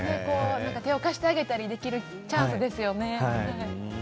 手を貸してあげるチャンスですよね。